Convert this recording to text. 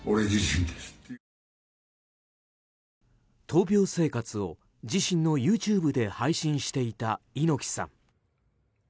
闘病生活を自身のＹｏｕＴｕｂｅで配信していた猪木さん。